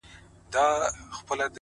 o زما د اوښکو په سمار راته خبري کوه،